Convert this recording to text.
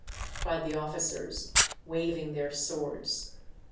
" cried the officers, waving their swords.